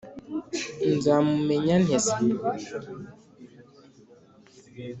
nzamumenya ntese?